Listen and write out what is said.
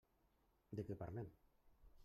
De què parlem?